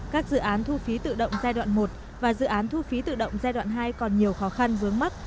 các dự án thu phí tự động giai đoạn một và dự án thu phí tự động giai đoạn hai còn nhiều khó khăn vướng mắt